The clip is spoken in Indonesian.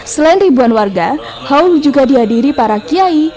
selain ribuan warga haul juga dihadiri para kiai